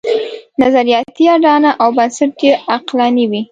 نظریاتي اډانه او بنسټ یې عقلاني وي.